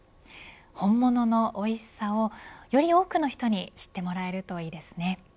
本物のおいしさをより多くの人に知ってもらえるといいですね。